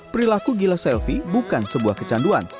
perilaku gila selfie bukan sebuah kecanduan